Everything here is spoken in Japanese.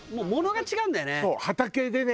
畑でね